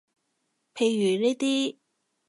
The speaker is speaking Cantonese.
譬如呢啲